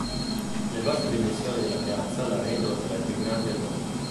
Le vaste dimensioni della piazza la rendono tra le più grandi al mondo.